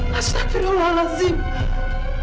bu tini juga mampu